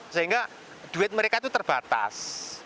sehingga duit mereka itu terbatas